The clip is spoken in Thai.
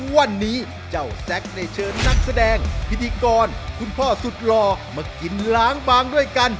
วันนี้เจ้าแซ็กได้เชิญนักแสดงพิธีกรคุณพ่อสุดหล่อมากินล้างบางด้วยกัน